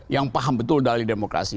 yang paham betul dari demokrasi